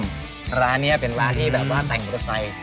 ร้านนี้เป็นร้านที่แบบว่าแต่งมอเตอร์ไซค์